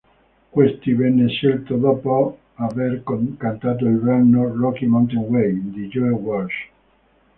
Questi venne scelto dopo aver cantato il brano "Rocky Mountain Way" di Joe Walsh.